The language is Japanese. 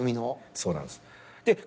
そうなんです。